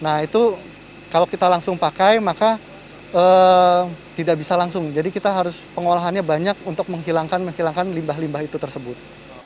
nah itu kalau kita langsung pakai maka tidak bisa langsung jadi kita harus pengolahannya banyak untuk menghilangkan limbah limbah itu tersebut